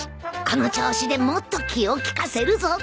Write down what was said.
この調子でもっと気を利かせるぞ